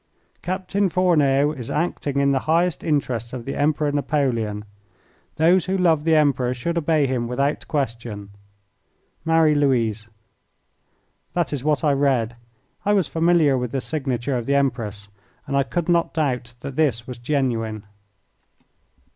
"Captain Fourneau is acting in the highest interests of the Emperor Napoleon. Those who love the Emperor should obey him without question. Marie Louise." That is what I read. I was familiar with the signature of the Empress, and I could not doubt that this was genuine.